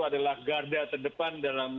adalah garda terdepan dalam